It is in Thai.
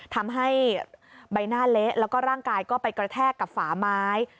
ทำให้ใบหน้าเละแล้วก็ร่างกายก็ไปกระแทกกับฝาไม้